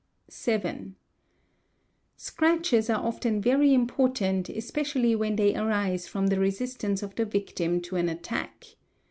Fig. 116. 7. Scratches®™® are often very important, especially when they aris from the resistance of the victim to an attack.